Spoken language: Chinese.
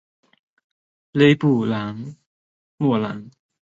勒布莱莫兰。